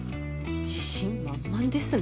自信満々ですね。